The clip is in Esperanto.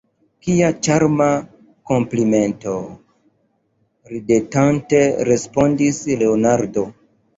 Kia ĉarma komplimento! ridetante respondis Leonardo.